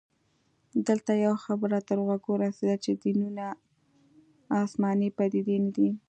دلته يوه خبره تر غوږه رسیده چې دینونه اسماني پديدې نه دي